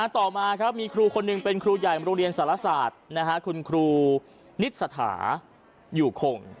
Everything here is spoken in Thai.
ต่อมาครับมีครูคนหนึ่งเป็นครูใหญ่โรงเรียนสารศาสตร์คุณครูนิสถาอยู่คง